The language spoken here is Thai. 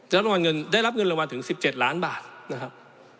ได้รับเงินรางวัลถึง๑๗ล้านบาทนะครับ